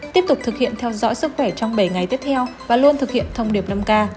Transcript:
tiếp tục thực hiện theo dõi sức khỏe trong bảy ngày tiếp theo và luôn thực hiện thông điệp năm k